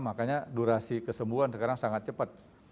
makanya durasi kesembuhan sekarang sangat cepat